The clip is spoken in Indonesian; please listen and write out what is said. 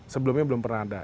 sebelumnya belum pernah ada